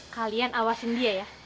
kalian awasin dia ya